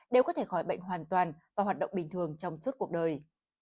đều có thể khỏi bệnh hoàn toàn và hoạt động bình thường trong suốt cuộc đời